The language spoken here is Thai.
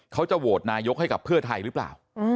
เขาจะโหวตนายกให้กับเพื่อไทยหรือเปล่า